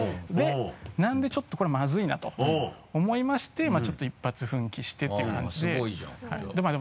でなのでちょっとこれはまずいなと思いましてちょっと一発奮起してっていう感じで。